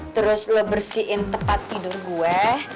terus lo bersihin tempat tidur gue